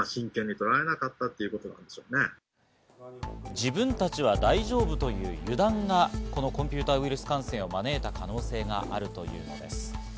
自分たちは大丈夫という油断がコンピューターウイルス感染を招いた可能性があるというのです。